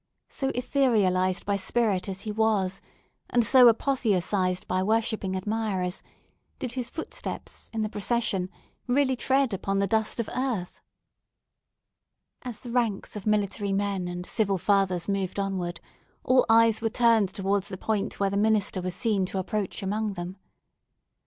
So etherealised by spirit as he was, and so apotheosised by worshipping admirers, did his footsteps, in the procession, really tread upon the dust of earth? As the ranks of military men and civil fathers moved onward, all eyes were turned towards the point where the minister was seen to approach among them.